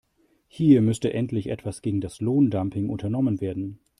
Hier müsste endlich etwas gegen das Lohndumping unternommen werden.